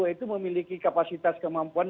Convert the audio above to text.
itu memiliki kapasitas kemampuan